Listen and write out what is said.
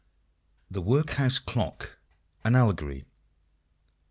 THE WORKHOUSE CLOCK. AN ALLEGORY.